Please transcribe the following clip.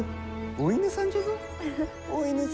お犬さんじゃ。